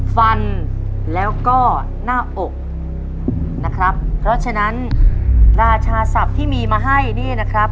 ฟันแล้วก็หน้าอกนะครับเพราะฉะนั้นราชาศัพท์ที่มีมาให้นี่นะครับ